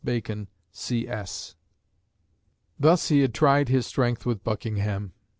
BACON, C.S." Thus he had tried his strength with Buckingham.